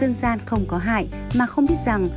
dân gian không có hại mà không biết rằng